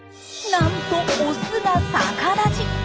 なんとオスが逆立ち！